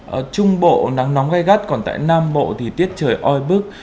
ở trung bộ nắng nóng gai gắt còn tại nam bộ thì tiết trời oi bức